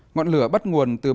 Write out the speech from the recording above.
nguồn lửa bắt nguồn từ một nơi